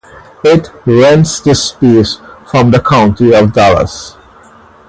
It rents the space from the County of Dallas.